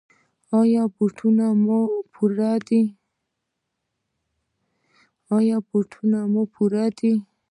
ایا بوټان یې پوره دي؟